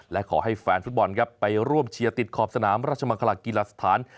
และขอให้แฟนฟุตบอลครับไปร่วมเชียร์ติดขอบสนามราชมังคลากีฬาสถาน